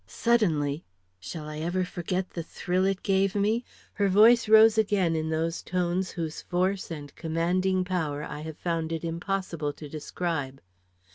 Suddenly shall I ever forget the thrill it gave me? her voice rose again in those tones whose force and commanding power I have found it impossible to describe.